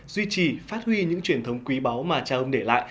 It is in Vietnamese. duy trì phát huy những truyền thống quý báu mà cha ông để lại